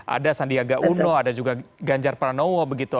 ada sandiaga uno ada juga ganjar pranowo begitu